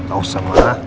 ah ausah mah